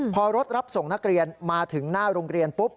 พอรถรับส่งนักเรียนมาถึงหน้าโรงเรียนปุ๊บ